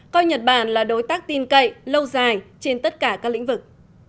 coi nhật bản là đối tác tin cậy lâu dài trên tất cả các lĩnh vực